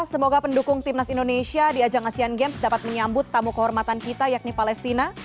semoga pendukung timnas indonesia di ajang asean games dapat menyambut tamu kehormatan kita yakni palestina